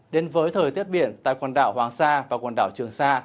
đến với thời tiết biển tại quần đảo hoàng sa và quần đảo trường sa